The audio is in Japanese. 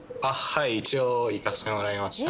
一応行かせてもらいました。